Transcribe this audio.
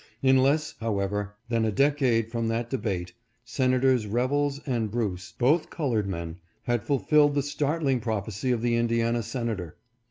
In less, however, than a decade from that debate, Senators Revels and Bruce, both colored men, had fulfilled the startling prophecy of the Indiana senator.